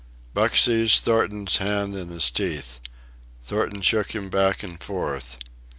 Buck seized Thornton's hand in his teeth. Thornton shook him back and forth.